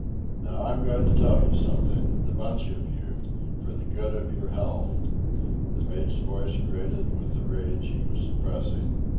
"Now I'm going to tell you something, the bunch of you, for the good of your health." The mate's voice grated with the rage he was suppressing.